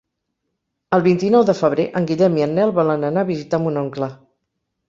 El vint-i-nou de febrer en Guillem i en Nel volen anar a visitar mon oncle.